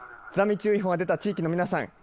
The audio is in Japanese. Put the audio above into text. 津波注意報が出た地域の皆さん